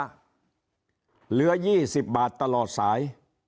เหลือยี่สิบบาทตลอดสาย